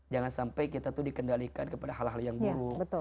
jangan sampai kita itu dikendalikan kepada hal hal yang buruk